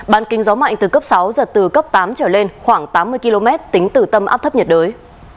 bàn kinh gió mạnh từ cấp sáu giật từ cấp tám trở lên khoảng tám mươi km tính từ tâm áp thấp nhiệt đới